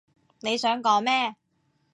你想講咩？